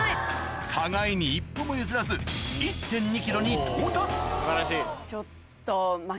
互いに一歩も譲らず１．２ｋｇに到達ちょっと。